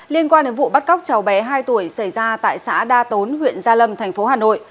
liên quan đến vụ bắt cóc cháu bé hai tuổi xảy ra tại xã đa tốn huyện gia lâm thành phố hà nội